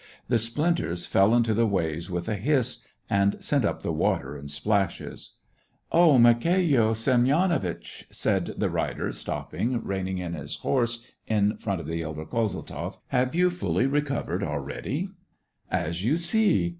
The splinters fell into the waves with a hiss, and sent up the water in splashes. Ah, Mikhaflo Semyonitch !" said the rider, stopping, reining in his horse in front of the elder Kozeltzoff, "have you fully recovered al ready }"" As you see.